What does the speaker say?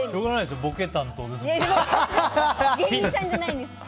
しょうがないですよ。